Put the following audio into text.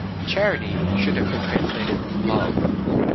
'Charity' should have been translated 'love.'